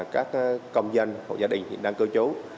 các công dân hộ gia đình đang cưu trú